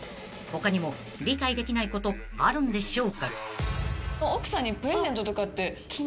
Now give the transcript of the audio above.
［他にも理解できないことあるんでしょうか？］